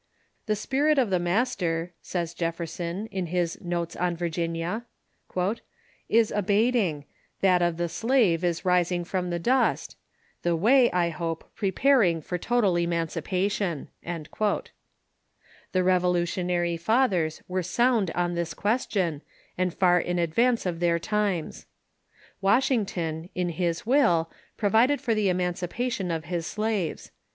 "The spirit of the master," says Jefferson, in his "Notes on Virginia," "is abating, that of the slave is rising from the dust ; the way, I hope, preparing for total emancipation." The Revolutionary THE AXTISLAVERY REFORM 591 Fathers were sound on this question, and far in advance of their times. Washington, in his will, provided for the emanci pation of his slaves.